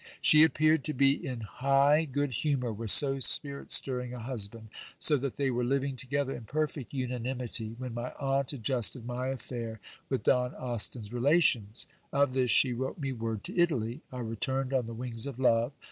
She appeared to be in high good humour with so spirit stirring a husband ; so that they were living together in perfect unanimity, when my aunt adjusted my affair with Don Austin's relations. Of this she wrote me word to Italy. I returned on the wings of love.